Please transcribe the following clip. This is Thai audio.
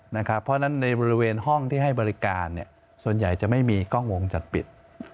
เพราะฉะนั้นในบริเวณห้องที่ให้บริการส่วนใหญ่จะไม่มีกล้องวงจรปิด